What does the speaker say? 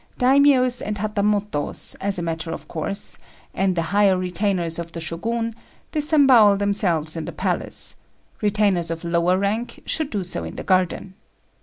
Daimios and Hatamotos, as a matter of course, and the higher retainers of the Shogun, disembowel themselves in the palace: retainers of lower rank should do so in the garden.